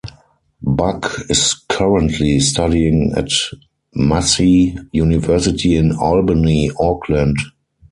Buck is currently studying at Massey University in Albany, Auckland.